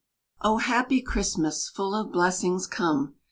Oh, happy Christmas, full of blessings, come!